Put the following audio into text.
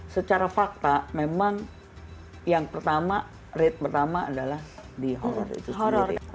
secara fakta memang yang pertama rate pertama adalah di holder itu sendiri